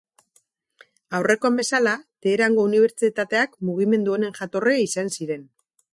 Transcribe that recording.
Aurrekoan bezala, Teherango unibertsitateak mugimendu honen jatorria izan ziren.